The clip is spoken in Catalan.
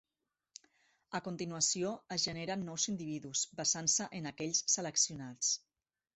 A continuació, es generen nous individus, basant-se en aquells seleccionats.